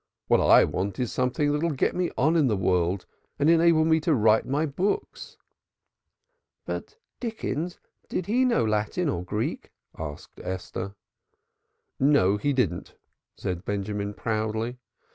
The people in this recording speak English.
What I want is something that'll get me on in the world and enable me to write my books." "But Dickens did he know Latin or Greek?" asked Esther. "No, he didn't," said Benjamin proudly.